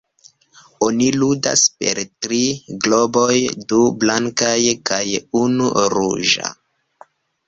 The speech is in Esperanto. Oni ludas per tri globoj: du blankaj kaj unu ruĝa.